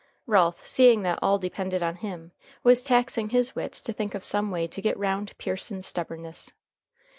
Ralph, seeing that all depended on him, was taxing his wits to think of some way to get round Pearson's stubbornness.